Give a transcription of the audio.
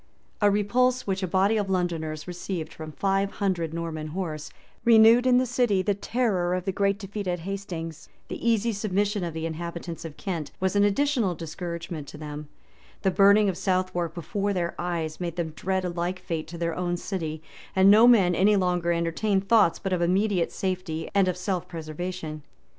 A repulse which a body of Londoners received from five hundred Norman horse, renewed in the city the terror of the great defeat at Hastings; the easy submission of all the inhabitants of Kent was an additional discouragement to them; the burning of Southwark before their eyes made them dread a like fate to their own city; and no man any longer entertained thoughts but of immediate safety ana of self preservation.